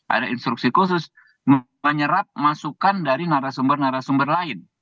ada instruksi khusus menyerap masukan dari narasumber narasumber lain